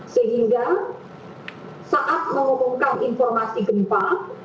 sehingga saat mengumumkan informasi gempa